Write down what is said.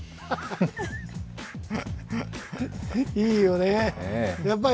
いいよね。